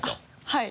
はい。